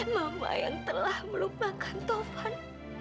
mama yang telah melupakan taufan